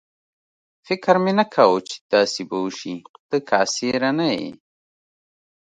فکر مې نه کاوه چې داسې به وشي، ته کاسېره نه یې.